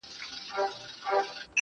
زلفي راټال سي گراني _